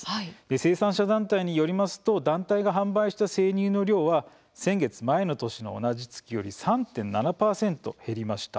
生産者団体によりますと団体が販売した生乳の量は先月、前の年の同じ月より３．７％減りました。